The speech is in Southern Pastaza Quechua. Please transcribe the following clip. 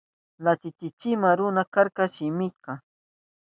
Llakichinkima karka runa masiykita.